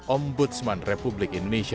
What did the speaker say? ombudsman republik indonesia